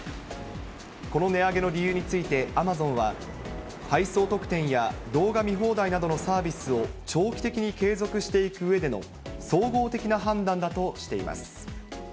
この値上げの理由についてアマゾンは、配送特典や動画見放題などのサービスを長期的に継続していくうえでの総合的な判断だとしています。